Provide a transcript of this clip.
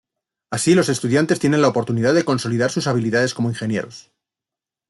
Así, los estudiantes tienen la oportunidad de consolidar sus habilidades como ingenieros.